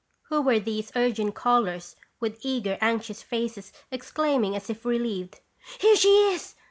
Who were these urgent callers, with eager, anxious faces, exclaiming, as if relieved, " Here she is!"